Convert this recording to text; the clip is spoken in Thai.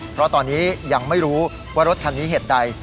เพราะตอนนี้ยังไม่รู้ว่ารถคันนี้เหตุใด